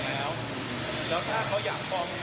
ผมยินดียอมรับเพราะว่า